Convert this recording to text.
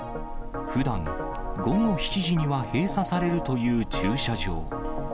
ふだん、午後７時には閉鎖されるという駐車場。